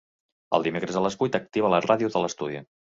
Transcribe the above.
Els dimecres a les vuit activa la ràdio de l'estudi.